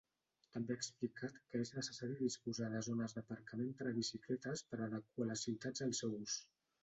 També ha explicat que és necessari disposar de zones d'aparcament per a bicicletes per a adequar les ciutats al seu ús.